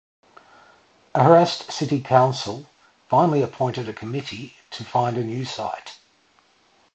A harassed city council finally appointed a committee to find a new site.